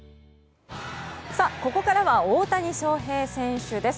さあ、ここからは大谷翔平選手です。